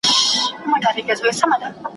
چي د شپې یې رنګارنګ خواړه خوړله ,